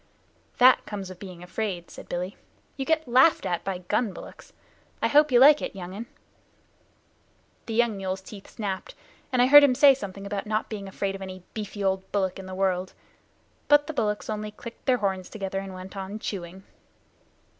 "That comes of being afraid," said Billy. "You get laughed at by gun bullocks. I hope you like it, young un." The young mule's teeth snapped, and I heard him say something about not being afraid of any beefy old bullock in the world. But the bullocks only clicked their horns together and went on chewing.